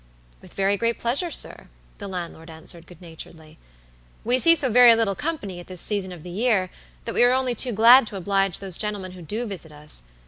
"With very great pleasure, sir," the landlord answered, good naturedly. "We see so very little company at this season of the year, that we are only too glad to oblige those gentlemen who do visit us.